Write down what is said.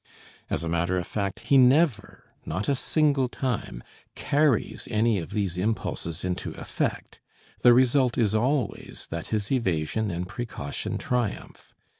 As a matter of fact he never, not a single time, carries any of these impulses into effect; the result is always that his evasion and precaution triumph.